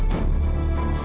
pak aku mau pergi